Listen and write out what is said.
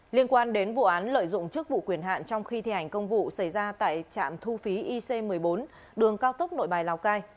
liên quan đến vụ án lợi dụng chức vụ quyền hạn trong khi thi hành công vụ xảy ra tại trạm thu phí ic một mươi bốn đường cao tốc nội bài lào cai